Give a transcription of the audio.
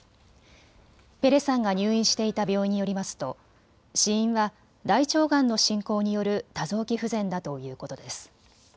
ペレさんが入院していた病院によりますと死因は大腸がんの進行による多臓器不全だということです。